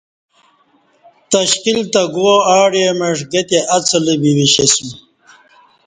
تشکیل تہ گوا آڑی معش گتی اڅلہ بی وشسیو م